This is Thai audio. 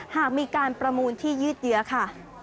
หากมีการประมูลที่ยืดเยื้อค่ะ